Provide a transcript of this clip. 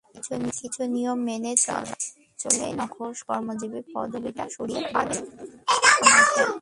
কিছু নিয়ম মেনে চললেই নাখোশ কর্মজীবী পদবিটা সরিয়ে ফেলতে পারবেন অনায়াসেই।